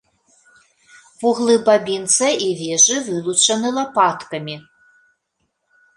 Вуглы бабінца і вежы вылучаны лапаткамі.